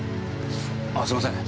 あすいません。